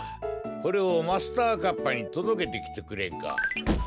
これをマスターカッパーにとどけてきてくれんか？